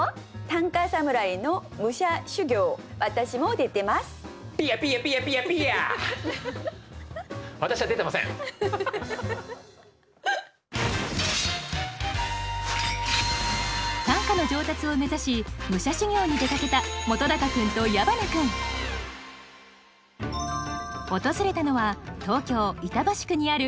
短歌の上達を目指し武者修行に出かけた本君と矢花君訪れたのは東京・板橋区にある植物館